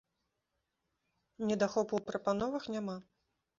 Недахопу ў прапановах няма.